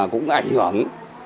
cũng ảnh hưởng